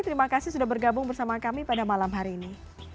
terima kasih sudah bergabung bersama kami pada malam hari ini